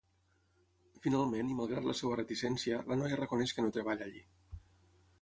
Finalment i malgrat la seva reticència, la noia reconeix que no treballa allí.